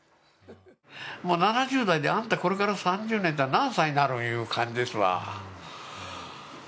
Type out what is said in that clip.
７０代であんたこれから３０年といったら何歳になるんかという感じですわ。